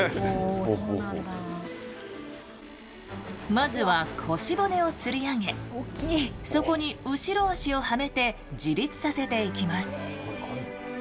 まずは腰骨をつり上げそこに後ろ足をはめて自立させていきます。